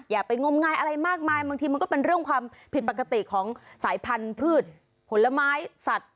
อย่าไปงมงายอะไรมากมายบางทีมันก็เป็นเรื่องความผิดปกติของสายพันธุ์พืชผลไม้สัตว์